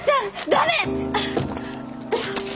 駄目！